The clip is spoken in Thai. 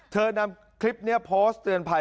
นำคลิปนี้โพสต์เตือนภัย